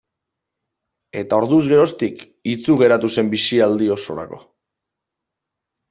Eta orduz geroztik itsu geratu zen bizialdi osorako.